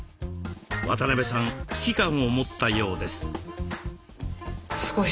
渡邊さん危機感を持ったようです。